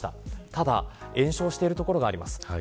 ただ延焼をしている所があります。